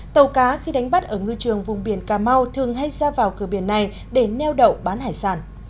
tàu cá khi đánh bắt ở ngư trường vùng biển cà mau thường hay ra vào cửa biển này để neo đậu bán hải sản